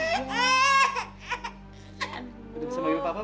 jangan cinta pacaran